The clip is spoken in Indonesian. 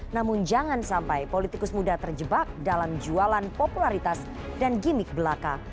namun jangan sampai politikus muda terjebak dalam jualan popularitas dan gimmick belaka